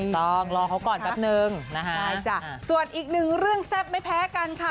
ต้องรอเขาก่อนแป๊บนึงนะคะใช่จ้ะส่วนอีกหนึ่งเรื่องแซ่บไม่แพ้กันค่ะ